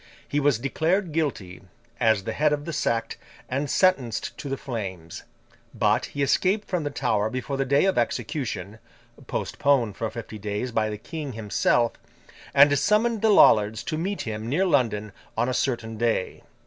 He was declared guilty, as the head of the sect, and sentenced to the flames; but he escaped from the Tower before the day of execution (postponed for fifty days by the King himself), and summoned the Lollards to meet him near London on a certain day.